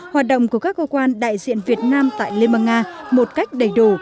hoạt động của các cơ quan đại diện việt nam tại liên bang nga một cách đầy đủ